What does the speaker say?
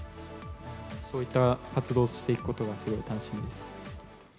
そういった活動をしていくことが、すごい楽しみです。